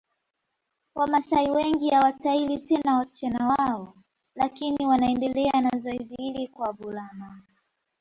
Wamaasai wengi hawatahiri tena wasichana wao lakini wanaendelea na zoezi hili kwa wavulana